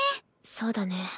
そうだね。